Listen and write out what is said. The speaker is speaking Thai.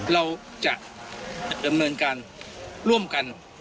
เราจะดำเนินการร่วมกัน